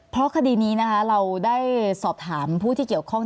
เพราะคดีนี้นะคะเราได้สอบถามผู้ที่เกี่ยวข้อง